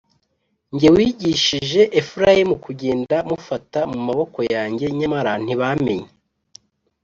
jye wigishije Efurayimu kugenda mufata mu maboko yanjye nyamara ntibamenye